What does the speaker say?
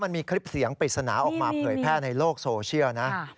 มันมีคลิปเสียงปริศนาออกมาเผยแพร่ในโลกโซเชียลนะ